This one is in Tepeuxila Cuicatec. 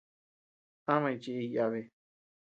Amañ chiʼiy yabi.